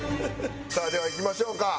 さあではいきましょうか。